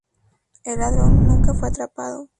El ladrón nunca fue atrapado.